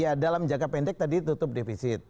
ya dalam jangka pendek tadi tutup defisit